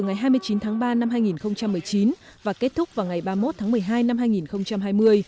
ngày hai mươi chín tháng ba năm hai nghìn một mươi chín và kết thúc vào ngày ba mươi một tháng một mươi hai năm hai nghìn hai mươi